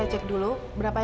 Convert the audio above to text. iya betul bu betul